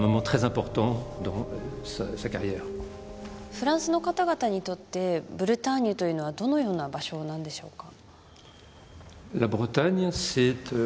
フランスの方々にとってブルターニュというのはどのような場所なんでしょうか？